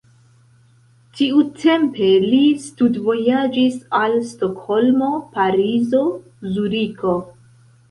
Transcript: Tiutempe li studvojaĝis al Stokholmo, Parizo, Zuriko.